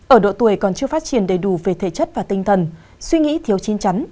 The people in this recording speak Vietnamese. ở độ tuổi còn chưa phát triển đầy đủ về thể chất và tinh thần suy nghĩ thiếu chin chắn